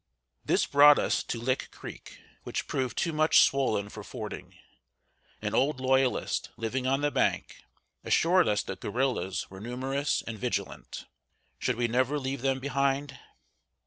This brought us to Lick Creek, which proved too much swollen for fording. An old Loyalist, living on the bank, assured us that guerrillas were numerous and vigilant. Should we never leave them behind?